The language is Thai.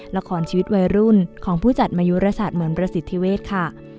ละครชีวิตวัยรุ่นของผู้จัดมายุรศาสตร์เหมือนประสิทธิเวศค่ะ